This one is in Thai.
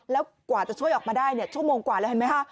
แล้วกว่าจะช่วยออกมาได้ชั่วโมงกว่าแล้วเห็นไหมคะ